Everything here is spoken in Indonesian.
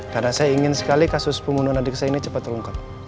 karena saya ingin sekali kasus pembunuhan adik saya ini cepat terungkap